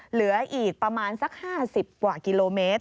เหลืออีกประมาณสัก๕๐กว่ากิโลเมตร